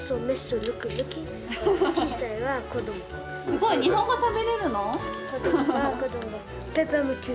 すごい日本語しゃべれるの？